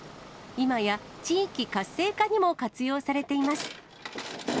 今や地域活性化にも活用されています。